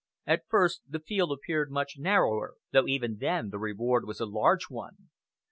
At first the field appeared much narrower, though even then the reward was a large one.